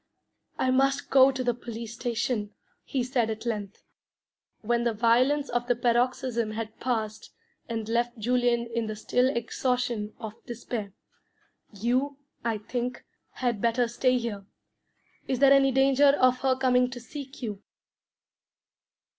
"I must go to the police station," he said at length, when the violence of the paroxysm had passed and left Julian in the still exhaustion of despair. "You, I think, had better stay here. Is there any danger of her coming to seek you?"